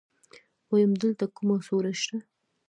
ويم دلته کومه سوړه شته.